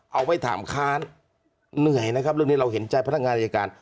เอาไว้ถามค้านเหนื่อยนะครับเรื่องนี้เราเห็นใจพนักงานอายการ